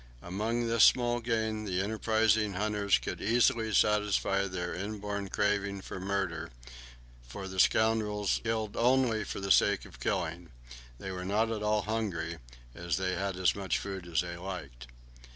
Among this small game the enterprising hunters could easily satisfy their inborn craving for murder, for the scoundrels only killed for the sake of killing; they were not at all hungry, as they had as much food as they liked.